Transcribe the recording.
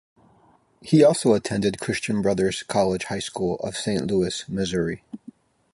He also attended Christian Brothers College High School of Saint Louis, Missouri.